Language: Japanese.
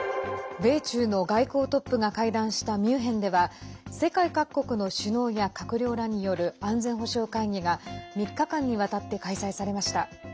米中の外交トップが会談したミュンヘンでは世界各国の首脳や閣僚らによる安全保障会議が３日間にわたって開催されました。